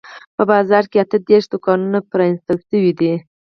په بازار کې اته دیرش دوکانونه پرانیستل شوي دي.